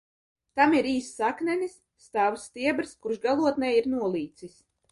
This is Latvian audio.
Tam ir īss saknenis, stāvs stiebrs, kurš galotnē ir nolīcis.